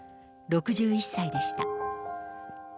６１歳でした。